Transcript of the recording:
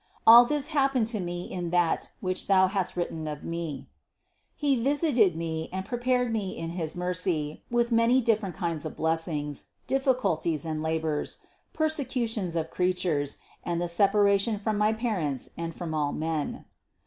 All this happened to me in that which thou hast written of me ; He visited me and pre pared me in his mercy with many different kinds of bless ings, difficulties and labors, persecutions of creatures, and the separation from my parents and from all men.